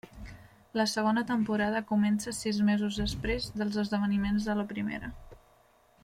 La segona temporada comença sis mesos després dels esdeveniments de la primera.